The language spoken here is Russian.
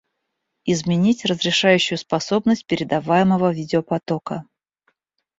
Изменить разрешающую способность передаваемого видеопотока